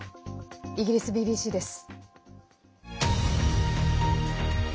イギリスＢＢＣです。